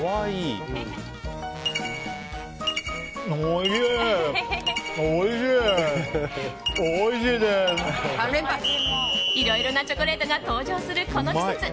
いろいろなチョコレートが登場するこの季節。